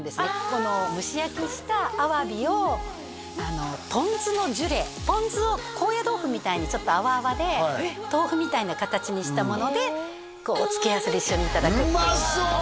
この蒸し焼きしたアワビをポン酢のジュレポン酢を高野豆腐みたいにちょっとアワアワで豆腐みたいな形にしたものでこう付け合わせで一緒にうまそう！